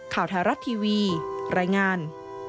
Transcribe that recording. ข่าวไทยรัฐทีวีรายงาน